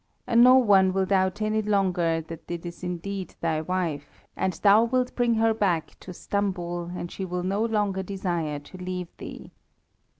and no one will doubt any longer that it is indeed thy wife, and thou wilt bring her back to Stambul, and she will no longer desire to leave thee.